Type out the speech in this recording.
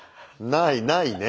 ないないね。